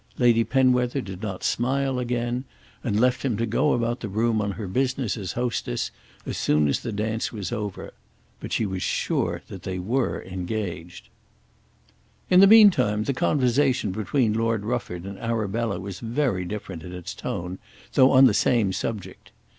Lady Penwether did not smile again, and left him to go about the room on her business as hostess, as soon as the dance was over. But she was sure that they were engaged. In the meantime, the conversation between Lord Rufford and Arabella was very different in its tone, though on the same subject.